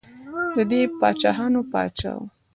دی د پاچاهانو پاچا و.